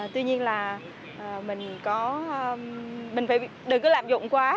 tuy nhiên là mình phải đừng cứ làm dụng quá